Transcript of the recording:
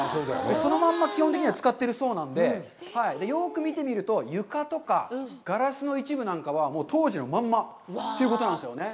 そのまま基本的には使ってたるそうなので、よく見てみると、床とかガラスの一部なんかはもう当時のまんま。ということなんですよね。